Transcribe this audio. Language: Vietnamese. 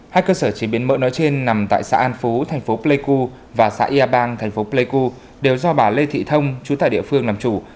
hai cơ sở chế biến mỡ nói trên nằm tại xã an phú thành phố pleiku và xã yà bang thành phố pleiku đều do bà lê thị thông chú tại địa phương làm chủ